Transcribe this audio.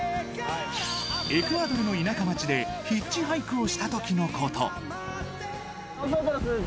エクアドルの田舎町でヒッチハイクをしたときのこと。